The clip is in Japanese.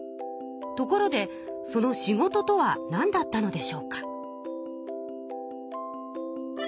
ところでその仕事とはなんだったのでしょうか？